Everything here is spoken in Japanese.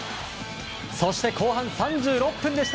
そして後半３６分でした。